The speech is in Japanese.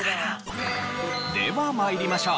では参りましょう。